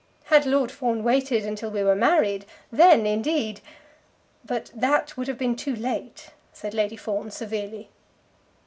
Had Lord Fawn waited until we were married; then indeed !" "But that would have been too late," said Lady Fawn severely.